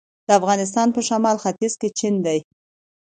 د افغانستان په شمال ختیځ کې چین دی